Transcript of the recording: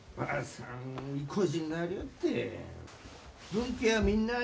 「分家はみんなあ」